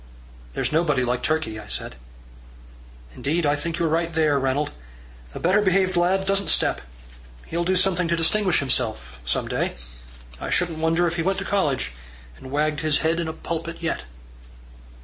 "There's nobody like Turkey," I said. "Indeed, I think you're right there, Ranald. A better behaved lad doesn't step. He'll do something to distinguish himself some day. I shouldn't wonder if he went to college, and wagged his head in a pulpit yet."